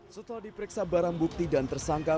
setelah diperiksa barang bukti dan tersangka